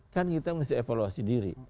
kan kita mesti evaluasi diri